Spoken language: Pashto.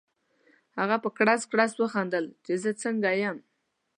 هغه په کړس کړس وخندل چې زه څنګه یم؟